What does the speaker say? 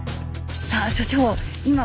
さあ所長